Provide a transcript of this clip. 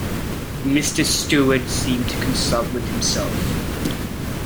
Mr. Stewart seemed to consult with himself.